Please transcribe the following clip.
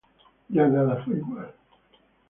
Ya nada fue igual.